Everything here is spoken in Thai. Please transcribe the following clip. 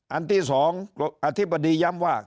อันที่๒อธิบดีย้ำว่า